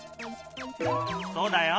そうだよ。